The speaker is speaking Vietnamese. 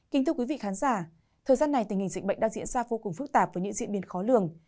kính thưa quý vị khán giả thời gian này tình hình dịch bệnh đang diễn ra vô cùng phức tạp với những diễn biến khó lường